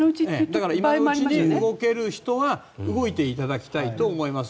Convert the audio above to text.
今のうちに動ける人は動いていただきたいと思います。